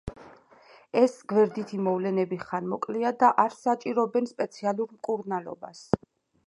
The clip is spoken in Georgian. ეს გვერდითი მოვლენები ხანმოკლეა და არ საჭიროებენ სპეციალურ მკურნალობას.